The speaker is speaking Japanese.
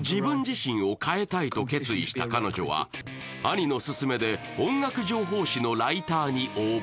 自分自身を変えたいと決意した彼女は兄の勧めで音楽情報誌のライターに応募。